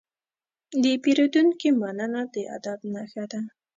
د پیرودونکي مننه د ادب نښه ده.